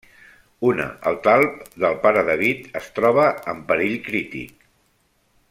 Una, el talp del Pare David, es troba en perill crític.